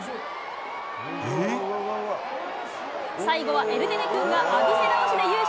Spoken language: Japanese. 最後はエルデネ君が浴びせ倒しで優勝。